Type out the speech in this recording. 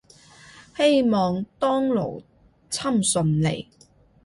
希望當勞侵順利